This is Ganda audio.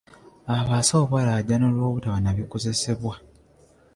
abasawo baalaajana olwobutaba na bikozesebwa.